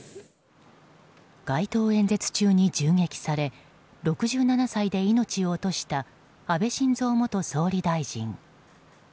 街頭演説中に銃撃され６７歳で命を落とした安倍晋三元総理大臣。